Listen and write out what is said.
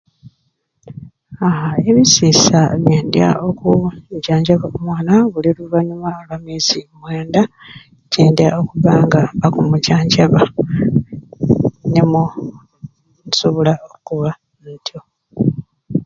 Aaa ebisiisa byenda okujanjaba omu baana buli luvanyuma lwa myezi mwenda kyendya okubba nga okubimujanjaba nimwo nsobola okukoba ntyo.